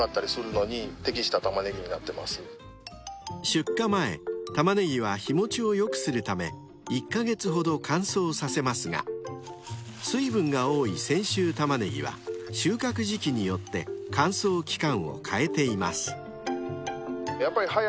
［出荷前タマネギは日持ちを良くするため１カ月ほど乾燥させますが水分が多い泉州たまねぎは収穫時期によって乾燥期間を変えています］